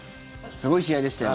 すごい試合でしたよ。